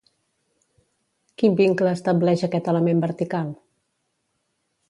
Quin vincle estableix aquest element vertical?